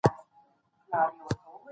باید له تعصب پرته قضاوت وکړو.